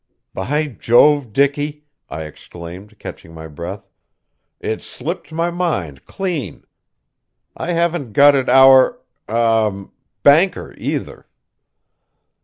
"By Jove, Dicky!" I exclaimed, catching my breath. "It slipped my mind, clean. I haven't got at our ahem banker, either."